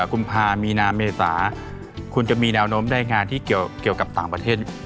กุมภามีนาเมษาคุณจะมีแนวโน้มได้งานที่เกี่ยวกับต่างประเทศ